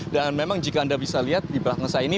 dan memang jika anda bisa lihat di belakang saya ini